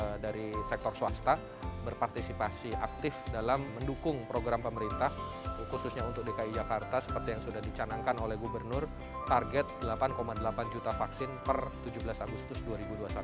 pemerintah dari sektor swasta berpartisipasi aktif dalam mendukung program pemerintah khususnya untuk dki jakarta seperti yang sudah dicanangkan oleh gubernur target delapan delapan juta vaksin per tujuh belas agustus dua ribu dua puluh satu